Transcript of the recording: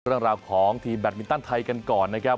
เรื่องราวของทีมแบตมินตันไทยกันก่อนนะครับ